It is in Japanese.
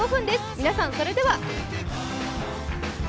皆さん、それでは。